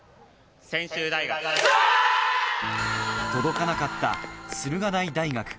届かなかった駿河台大学。